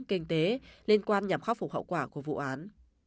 kinh tế liên quan nhằm khắc phục hậu quả của vụ án